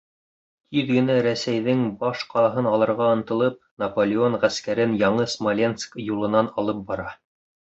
Тиҙ генә Рәсәйҙең баш ҡалаһын алырға ынтылып, Наполеон ғәскәрен Яңы Смоленск юлынан алып бара.